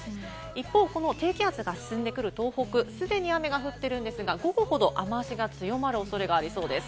一方、低気圧が進んでくる東北、既に雨が降ってるんですが、午後ほど雨脚が強まるおそれがあります。